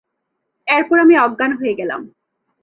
এরপর আমি অজ্ঞান হয়ে গেলাম।